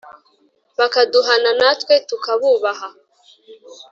bakaduhana, natwe tukabubaha